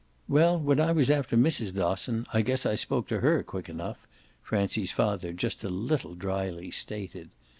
"Well, when I was after Mrs. Dosson I guess I spoke to her quick enough," Francie's father just a little dryly stated.